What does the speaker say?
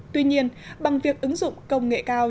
tuy nhiên bằng việc ứng dụng công nghệ cao